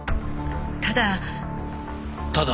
ただ。